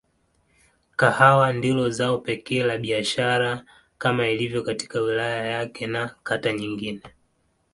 Kahawa ndilo zao pekee la biashara kama ilivyo katika wilaya yake na kata nyingine.